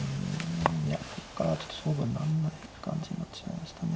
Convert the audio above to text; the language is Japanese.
いやこっからはちょっと勝負になんない感じになってしまいましたね。